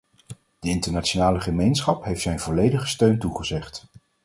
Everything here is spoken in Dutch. De internationale gemeenschap heeft zijn volledige steun toegezegd.